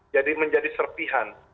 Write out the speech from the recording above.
jadi menjadi serpihan